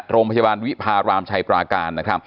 โรงพยาบาลวิพารามชัยปราการ